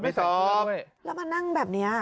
ไม่ตอบแล้วมานั่งแบบนี้